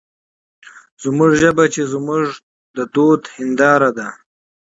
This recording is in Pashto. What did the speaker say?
زموږ ژبه چې زموږ د فرهنګ هېنداره ده،